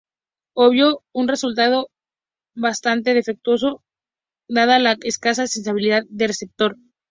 Obtuvo un resultado bastante defectuoso dada la escasa sensibilidad del receptor.